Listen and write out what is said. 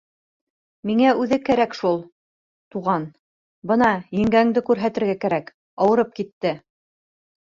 — Миңә үҙе кәрәк шул, туған, бына еңгәңде күрһәтергә кәрәк, ауырып китте.